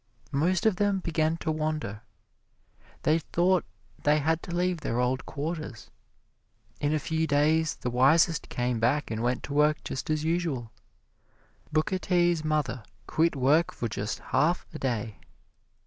Most of them began to wander they thought they had to leave their old quarters. In a few days the wisest came back and went to work just as usual. Booker T.'s mother quit work for just half a day.